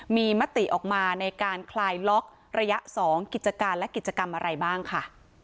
มีมติออกมาในการคลายล็อกระยะ๒กิจการและกิจกรรมอะไรบ้างค่ะ